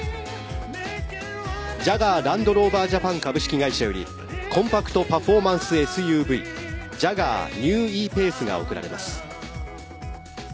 ジャガー・ランドローバー・ジャパン株式会社よりコンパクト・パフォーマンスＳＵＶＪＡＧＵＡＲＮＥＷＥ−ＰＡＣＥが贈られます。